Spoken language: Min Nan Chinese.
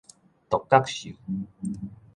獨角獸